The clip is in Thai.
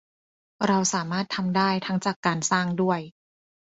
เราสามารถทำได้ทั้งจากการสร้างด้วย